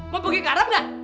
mau pergi ke arab nggak